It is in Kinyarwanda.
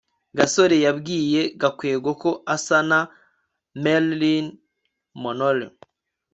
gasore yabwiye gakwego ko asa na marilyn monroe